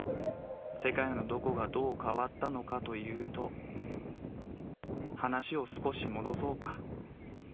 世界のどこがどう変わったのかというと話を少し戻そうか。